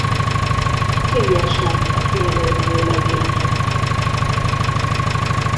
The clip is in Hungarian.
Frigyes lett a kijelölt vőlegénye.